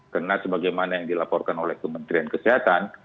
karena sebagaimana yang dilaporkan oleh kementerian kesehatan